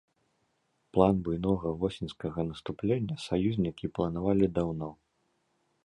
План буйнога восеньскага наступлення саюзнікі планавалі даўно.